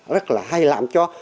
rất là hay làm cho